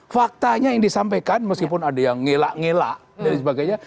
faktanya yang disampaikan meskipun ada yang ngelak ngelak dan sebagainya